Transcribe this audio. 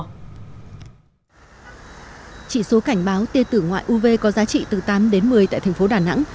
chỉ số cảnh báo tia tử ngoại uv có giá trị từ tám đến một mươi tại thành phố đà nẵng